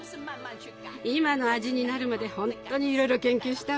今の味になるまでほんとにいろいろ研究したわ。